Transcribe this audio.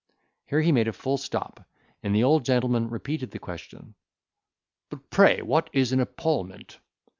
Here he made a full stop, and the old gentleman repeated the question, "But pray what is an epaulement?"